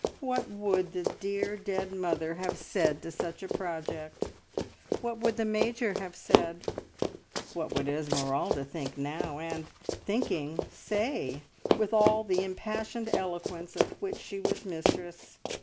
What would the dear dead mother have said to such a project? What would the Major have said? What would Esmeralda think now, and, thinking, say, with all the impassioned eloquence of which she was mistress?